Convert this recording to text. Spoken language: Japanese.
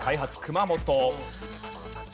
熊本。